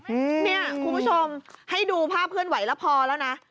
อืมเนี่ยคุณผู้ชมให้ดูภาพเคลื่อนไหวแล้วพอแล้วนะ